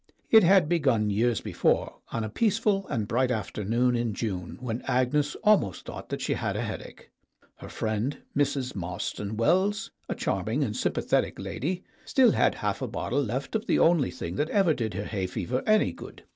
It had begun years before, on a peaceful and bright afternoon in June, when Agnes almost thought that she had a headache. Her friend, Mrs. Marston Wells a charming and sympathetic lady still had half a bottle left of the only thing that ever did her hay fever any good.